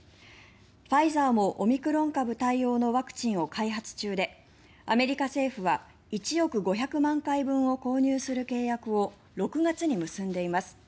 ファイザーもオミクロン株対応のワクチンを開発中でアメリカ政府は１億５００万回分を購入する契約を６月に結んでいます。